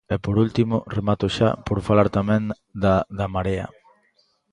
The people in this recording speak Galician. E por último, remato xa, por falar tamén da da Marea.